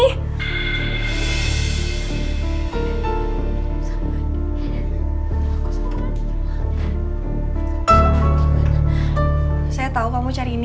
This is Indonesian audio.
ya ampun kenapa kenapa berantakan kayak gini